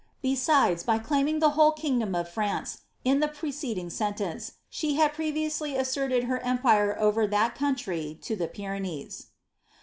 hcsidea, by claiming the wliole kingdom of France, in the pre ceding Bcnicncp, she had previously asserted her empire over that coun try to the Pyrenees.